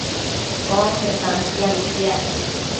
Onque tantianu piac